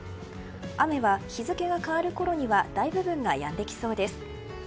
雨は日付が変わるころには大部分がやんできそうです。